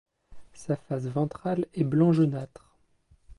Sa face ventrale est blanc jaunâtre.